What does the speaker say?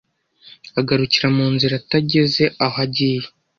agarukira mu nzira ategeze aho agiye